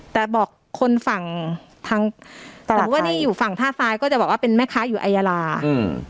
แต่บอกคนฝั่งทางสมมุติว่านี่อยู่ฝั่งท่าทรายก็จะบอกว่าเป็นแม่ค้าอยู่ไอยาลาอืม